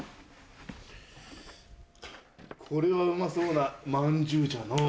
これはうまそうなまんじゅうじゃのぅ。